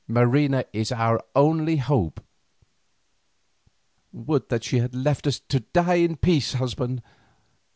Marina is our only hope." "Would that she had left us to die in peace, husband.